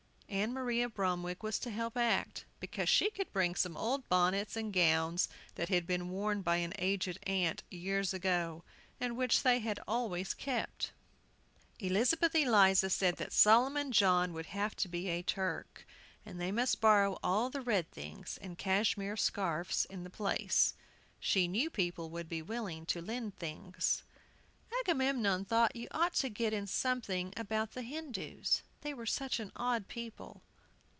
Ann Maria Bromwick was to help act, because she could bring some old bonnets and gowns that had been worn by an aged aunt years ago, and which they had always kept. Elizabeth Eliza said that Solomon John would have to be a Turk, and they must borrow all the red things and cashmere scarfs in the place. She knew people would be willing to lend things. Agamemnon thought you ought to get in something about the Hindoos, they were such an odd people.